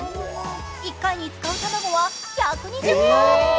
１回に使う卵は１２０個。